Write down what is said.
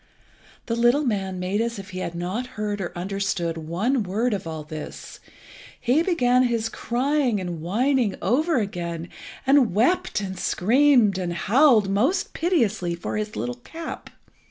The little man made as if he had not heard or understood one word of all this. He began his crying and whining over again, and wept and screamed and howled most piteously for his little cap.